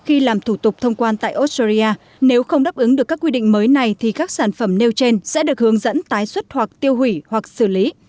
khi làm thủ tục thông quan tại australia nếu không đáp ứng được các quy định mới này thì các sản phẩm nêu trên sẽ được hướng dẫn tái xuất hoặc tiêu hủy hoặc xử lý